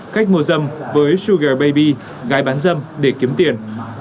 cách mua dâm với sugar baby gái bán dâm để kiếm tiền